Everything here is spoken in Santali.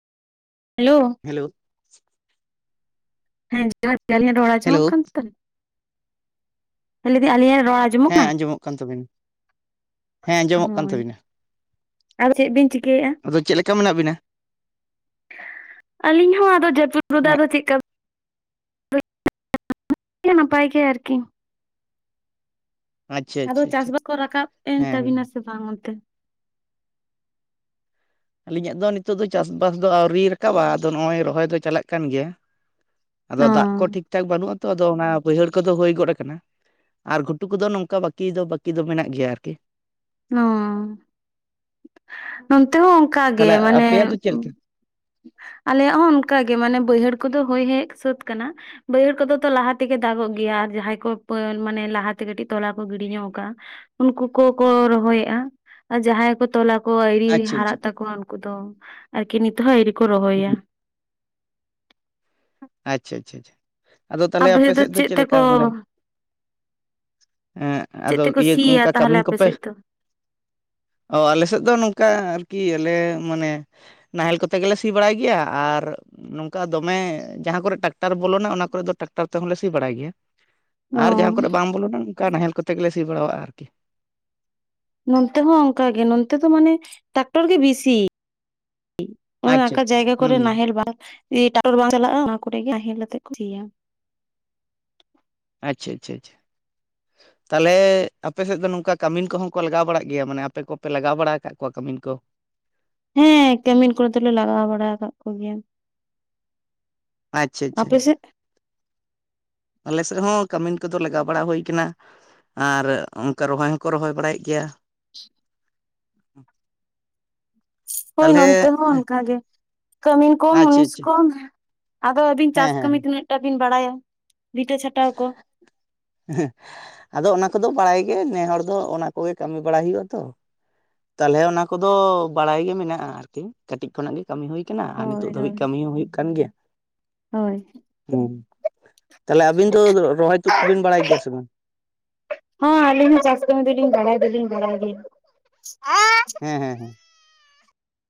ᱦᱮᱞᱳ ᱾ ᱦᱮᱞᱳ ᱾ ᱦᱮᱸ ᱡᱟᱦᱟᱨ ᱜᱮ ᱟᱞᱤᱧᱟᱜ ᱨᱚᱲ ᱦᱮᱞᱳ ᱟᱡᱚᱢᱚᱜ ᱠᱟᱱ ᱛᱟᱞᱤᱧᱟ? ᱦᱮᱸ ᱞᱟᱹᱭᱫᱟᱧ ᱟᱞᱤᱧᱟᱜ ᱨᱚᱲ ᱟ ᱦᱮᱸ ᱟᱸᱡᱚᱢᱚᱜ ᱠᱟᱱ ᱛᱟᱵᱤᱱᱟ ᱾ [inaudible] ᱦᱮᱸ ᱟᱸᱡᱚᱢᱚᱜ ᱠᱟᱱ ᱛᱟᱹᱵᱤᱱᱟ ᱾ ᱟᱨ ᱪᱮᱫ ᱵᱤᱱ ᱪᱤᱠᱟᱹᱭᱮᱜ-ᱟ? ᱟᱫᱚ ᱪᱮᱫ ᱞᱮᱠᱟ ᱢᱮᱱᱟᱜ ᱵᱤᱱᱟ? ᱟᱞᱤᱧ ᱦᱚᱸ ᱟᱫᱚ [unintelligible] ᱦᱮᱸ ᱪᱮᱫᱠᱟ ᱦᱮᱸ ᱱᱟᱯᱟᱭ ᱜᱮ ᱟᱨᱠᱤ ᱾ ᱟᱪᱪᱷᱟ ᱟᱫᱚ ᱟᱪᱪᱷᱟ ᱪᱟᱥ ᱟᱪᱪᱷᱟ ᱵᱟᱥ ᱠᱚ ᱨᱟᱠᱟᱵ ᱮᱱ ᱦᱮᱸ ᱛᱟᱵᱤᱱᱟ ᱦᱮᱸ ᱥᱮ ᱵᱟᱝ ᱚᱱᱛᱮ? ᱟᱹᱞᱤᱧᱟᱜ ᱫᱚ ᱱᱤᱛᱚᱜ ᱫᱚ ᱪᱟᱥᱵᱟᱥ ᱫᱚ ᱟᱹᱣᱨᱤ ᱨᱟᱠᱟᱵᱟ ᱟᱫᱚ ᱱᱚᱜ-ᱚᱭ ᱨᱚᱦᱚᱭ ᱫᱚ ᱪᱟᱞᱟᱜ ᱠᱟᱱ ᱜᱮᱭᱟ ᱾ ᱟᱫᱚ ᱚ ᱫᱟᱜ ᱠᱚ ᱴᱷᱤᱠ ᱴᱷᱟᱠ ᱵᱟᱹᱱᱩᱜ ᱟᱛᱚ ᱟᱫᱚ ᱚᱱᱟ ᱵᱟᱹᱭᱦᱟᱹᱲ ᱠᱚᱫᱚ ᱦᱩᱭ ᱜᱚᱫ ᱠᱟᱱᱟ ᱾ [inaudible] ᱟᱨ ᱜᱷᱩᱴᱩ ᱠᱚᱫᱚ ᱱᱚᱝᱠᱟᱱ ᱵᱟᱹᱠᱤ ᱫᱚ ᱵᱟᱹᱠᱤ ᱫᱚ ᱢᱮᱱᱟᱜ ᱜᱮᱭᱟ ᱟᱨᱠᱤ ᱾ ᱦᱚᱸ ᱾ [inaudible] ᱱᱚᱱᱛᱮ ᱦᱚᱸ ᱚᱝᱠᱟ ᱜᱮ ᱛᱟᱦᱚᱞᱮ ᱢᱟᱱᱮ ᱟᱯᱮᱭᱟᱜ ᱫᱚ ᱪᱮᱫ ᱞᱮᱠᱟ ᱟᱞᱮᱭᱟᱜ ᱦᱚᱸ ᱚᱱᱠᱟᱜᱮ ᱢᱟᱱᱮ ᱵᱟᱹᱭᱦᱟᱹᱲ ᱠᱚᱫᱚ ᱦᱳᱭ ᱦᱮᱡ ᱥᱟᱹᱛ ᱠᱟᱱᱟ᱾ ᱵᱟᱹᱭᱦᱟᱹᱲ ᱠᱚᱫᱚ ᱛᱚ ᱞᱟᱦᱟ ᱛᱮᱜᱮ ᱫᱟᱜᱚᱜ ᱜᱮᱭᱟ ᱟᱨ ᱡᱟᱦᱟᱸᱭ ᱠᱚ ᱯᱟᱹ ᱢᱟᱱᱮ ᱞᱟᱦᱟᱛᱮ ᱠᱟᱹᱴᱤᱡ ᱛᱚᱞᱟ ᱠᱚ ᱜᱤᱰᱤ ᱧᱚᱜ ᱠᱟᱜ-ᱟ᱾ ᱩᱱᱠᱩ ᱠᱚᱠᱚ ᱨᱚᱦᱚᱭᱮᱜᱼᱟ ᱟ ᱡᱟᱦᱟᱸᱭ ᱠᱚ ᱛᱚᱞᱟ ᱠᱚ ᱟᱭᱨᱤ ᱟᱪᱪᱷᱟ ᱟᱪᱪᱷᱟ ᱦᱟᱨᱟᱜ ᱛᱟᱠᱚᱣᱟ ᱩᱱᱠᱩ ᱫᱚ ᱟᱨᱠᱤ ᱱᱤᱛᱚᱜ ᱦᱚᱸ ᱟᱤᱨ ᱠᱚ ᱦᱩᱸ ᱨᱚᱦᱚᱭᱟ ᱾ ᱟᱪᱪᱷᱟ ᱟᱪᱪᱷᱟ ᱟᱪᱷᱟ ᱟᱫᱚ ᱛᱟᱦᱞᱮ ᱟᱯᱮ ᱥᱮᱫ ᱫᱚ ᱪᱮᱫ ᱞᱮᱠᱟ ᱢᱟᱱᱮ ᱮᱜ ᱪᱮᱫ ᱟᱫᱚ ᱛᱮᱠᱚ ᱤᱭᱟᱹ ᱥᱤᱭᱟ ᱚᱱᱠᱟ ᱛᱟᱦᱚᱞᱮ ᱠᱟᱹᱢᱤᱱ ᱟᱯᱮ ᱠᱚᱯᱮ [unintelligible] ᱚ ᱟᱞᱮ ᱥᱮᱫ ᱫᱚ ᱱᱚᱝᱠᱟ ᱟᱨᱠᱤ ᱟᱞᱮ ᱢᱟᱱᱮ ᱱᱟᱦᱮᱞ ᱠᱚᱛᱮ ᱜᱮᱞᱮ ᱥᱤ ᱵᱟᱲᱟᱭ ᱜᱮᱭᱟ ᱟᱨ ᱱᱚᱝᱠᱟ ᱫᱚᱢᱮ ᱡᱟᱦᱟᱸ ᱠᱚᱨᱮᱜ ᱴᱟᱠᱴᱟᱨ ᱵᱚᱞᱚᱱᱟ ᱚᱱᱟ ᱠᱚᱨᱮᱫ ᱫᱚ ᱴᱟᱠᱴᱟᱨ ᱛᱮᱦᱚᱸᱞᱮ ᱥᱤ ᱵᱟᱲᱟᱭ ᱜᱮᱭᱟ ᱚ ᱟᱨ ᱡᱟᱦᱟᱸ ᱠᱚᱨᱮᱜ ᱵᱟᱝ ᱵᱚᱞᱚᱱᱟ ᱚᱠᱟ ᱱᱟᱦᱮᱞ ᱠᱚᱛᱮᱜ ᱜᱮᱞᱮ ᱥᱤ ᱵᱟᱲᱟᱣᱟᱜ-ᱟ ᱟᱨᱠᱤ ᱾ ᱱᱚᱱᱛᱮ ᱦᱚᱸ ᱚᱱᱠᱟ ᱜᱮ ᱱᱚᱱᱛᱮ ᱫᱚ ᱢᱟᱱᱮ ᱴᱟᱠᱴᱚᱨ ᱜᱮ ᱵᱤᱥᱤ ᱾ [unintelligible] ᱚᱣᱟ ᱟᱪᱪᱷᱟ ᱟᱪᱪᱷᱟ ᱡᱟᱭᱜᱟ ᱦᱩᱸ ᱠᱚᱨᱮ ᱦᱩᱸ ᱱᱟᱦᱮᱞ [inaudible] ᱤ ᱴᱟᱠᱴᱚᱨ ᱵᱟᱝ ᱪᱟᱞᱟᱜᱼᱟ ᱚᱱᱟ ᱠᱚᱨᱮ ᱜᱮ ᱦᱟᱦᱮᱞ ᱟᱛᱮᱫ ᱠᱚ ᱥᱤᱭᱟ ᱾ ᱟᱪᱷᱟ ᱟᱪᱷᱟ ᱟᱪᱷᱟ, [unintelligible] ᱛᱟᱦᱞᱮ ᱟᱯᱮ ᱥᱮᱫ ᱫᱚ ᱱᱚᱝᱠᱟ ᱠᱟᱹᱢᱤᱱ ᱠᱚᱦᱚᱸ ᱠᱚ ᱞᱟᱜᱟᱣ ᱵᱟᱲᱟᱜ ᱜᱮᱭᱟ ᱢᱟᱱᱮ ᱟᱯᱮ ᱠᱚᱯᱮ ᱞᱟᱜᱟᱣ ᱵᱟᱲᱟ ᱟᱠᱟᱫᱟ ᱠᱚᱣᱟ ᱠᱟᱢᱤᱱ ᱠᱚ? ᱦᱮᱸ ᱠᱟᱹᱢᱤᱱ ᱠᱚᱞᱮ ᱫᱚᱞᱮ ᱞᱟᱜᱟᱣ ᱵᱟᱲᱟ ᱟᱠᱟᱫ ᱠᱚᱜᱮᱭᱟ ᱾ ᱟᱪᱷᱟ ᱟᱪᱷᱟ ᱟᱯᱮᱥᱮᱫ ᱟᱪᱷᱟ᱾ ᱟᱞᱮ ᱥᱮᱫ ᱦᱚᱸ ᱠᱟᱹᱢᱤᱱ ᱠᱚᱫᱚ ᱞᱟᱜᱟᱣ ᱵᱟᱲᱟ ᱦᱩᱭ ᱠᱟᱱᱟ ᱾ ᱟᱨ ᱚᱱᱠᱟ ᱨᱚᱦᱚᱭ ᱦᱚᱸᱠᱚ ᱨᱚᱦᱚᱭ ᱵᱟᱲᱟᱭᱮᱜ ᱜᱮᱭᱟ ᱾ [unintelligible] [unintelligible] ᱦᱳᱭ ᱛᱟᱦᱚᱞᱮ ᱱᱚᱱᱛᱮ ᱦᱚᱸ ᱚᱱᱠᱟᱜ ᱜᱮ ᱠᱟᱹᱢᱤᱱ ᱠᱚᱢ ᱟᱪᱪᱷᱟ ᱢᱩᱱᱤᱥ ᱟᱪᱪᱷᱟ ᱠᱚᱢ ᱾ ᱟᱫᱚ ᱟᱹᱵᱤᱱ ᱪᱟᱥ ᱦᱮᱸ ᱦᱮᱸ ᱠᱟᱹᱢᱤ ᱛᱤᱱᱟᱹᱜ ᱴᱟ ᱵᱤᱱ ᱵᱟᱲᱟᱭᱟ ᱵᱤᱛᱟᱹ ᱪᱷᱟᱴᱟᱣ ᱠᱚ? ᱮᱦᱮ ᱟᱫᱚ ᱚᱱᱟ ᱠᱚᱫᱚ ᱵᱟᱲᱟᱭ ᱜᱮ ᱱᱮ ᱦᱚᱲ ᱫᱚ ᱚᱱᱟ ᱠᱚᱜᱮ ᱠᱟᱹᱢᱤ ᱵᱟᱲᱟᱭ ᱦᱩᱭᱩᱜᱼᱟ ᱛᱚ ᱾ ᱛᱟᱦᱞᱮ ᱚᱱᱟ ᱠᱚᱫᱚ ᱵᱟᱲᱟᱭ ᱜᱮ ᱢᱮᱱᱟᱜ-ᱟ ᱟᱨᱠᱤ ᱠᱟᱹᱴᱤᱡ ᱠᱷᱚᱱᱟᱜ ᱜᱮ, ᱠᱟᱹᱢᱤ ᱦᱩᱭ ᱠᱟᱱᱟ ᱟᱨ ᱦᱳᱭ ᱱᱤᱛᱚᱜ ᱫᱷᱟᱹᱵᱤᱡ ᱦᱳᱭ ᱠᱟᱹᱢᱤ ᱦᱚᱸ ᱦᱩᱭᱩᱜ ᱠᱟᱱ ᱜᱮᱭᱟ ᱦᱳᱭ ᱦᱩᱸ ᱾ ᱜᱮᱭᱟ ᱥᱮ ᱵᱟᱝ [unintelligible] ᱦᱚᱸ ᱟᱹᱞᱤᱧ ᱦᱚᱸ ᱪᱟᱥ ᱠᱟ. ᱢᱤ ᱫᱚᱞᱤᱧ ᱵᱟᱲᱟᱭ ᱫᱚᱞᱤᱧ ᱵᱟᱲᱟᱭ ᱜᱮᱭᱟ ᱟᱻ᱾ ᱦᱮᱸ ᱦᱮᱸ ᱦᱮᱸ᱾